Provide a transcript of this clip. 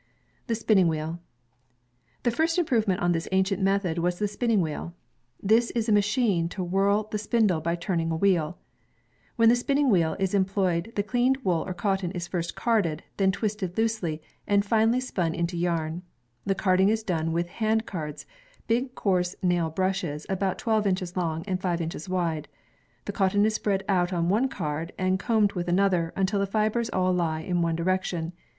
The Spinning Wheel The first improvement on this ancient method was the spinning wheel. This is a machine to whirl the spindle by turning a wheel. When the spinning wheel is em ployed, the cleaned wool or cotton is first carded, then twisted loosely, and finally spun into yam. The carding is done with hand cards, big coarse nail brushes, about twelve inches long and five inches wide. The cotton is s combed with another, until the fibers all lie in one direc tion.